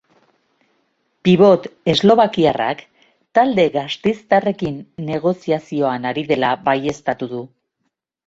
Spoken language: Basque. Pibot eslobakiarrak talde gasteiztarrekin negoziazioan ari dela baieztatu du.